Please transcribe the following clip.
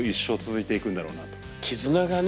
絆がね